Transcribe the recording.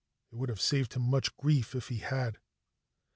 It would have saved him much grief if he had.